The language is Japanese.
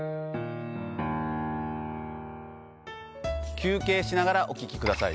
休憩しながらお聞き下さい。